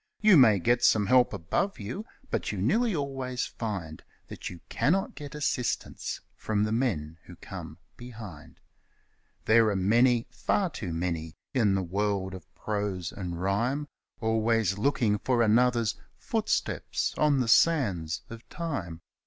You may get some help above you, but you'll nearly always find That you cannot get assistance from the men who come behind. There are many, far too many, in the world of prose and rhyme, Always looking for another's ' footsteps on the sands of time.'